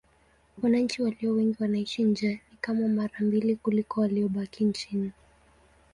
Wananchi walio wengi wanaishi nje: ni kama mara mbili kuliko waliobaki nchini.